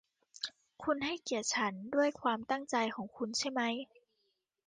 คุณให้เกียรติฉันด้วยความตั้งใจของคุณใช่มั้ย